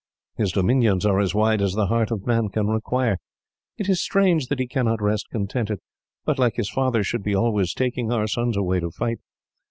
His dominions are as wide as the heart of man can require. It is strange that he cannot rest contented, but, like his father, should be always taking our sons away to fight.